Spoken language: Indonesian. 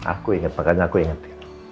aku inget makanya aku inget